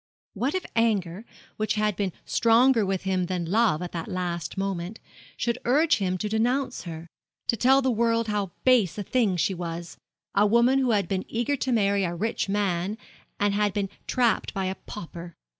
What if anger, which had been stronger with him than love at that last moment, should urge him to denounce her to tell the world how base a thing she was a woman who had been eager to marry a rich man and had been trapped by a pauper!